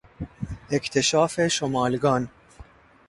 اکتشاف شمالگان